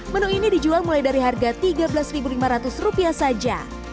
menu ini dijual mulai dari harga rp tiga belas lima ratus saja